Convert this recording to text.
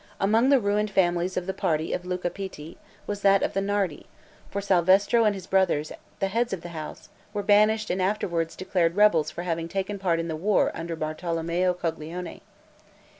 Among the ruined families of the party of Luca Pitti, was that of the Nardi; for Salvestro and his brothers, the heads of the house, were banished and afterward declared rebels for having taken part in the war under Bartolommeo Coglione.